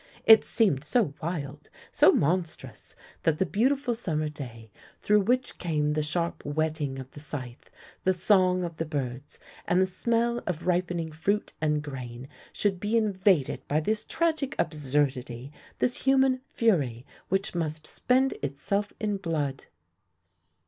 It seemed so wild, so mon THE LANE THAT HAD NO TURNING 29 strous that the beautiful summer day, through which came the sharp whetting of the scythe, the song of the birds, and the smell of ripening fruit and grain, should be invaded by this tragic absurdity, this human fury which must spend itself in blood.